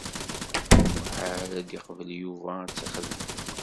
Muḥal ad iqbel Yuba ad tt-ixdem.